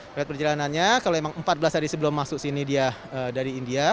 melihat perjalanannya kalau memang empat belas hari sebelum masuk sini dia dari india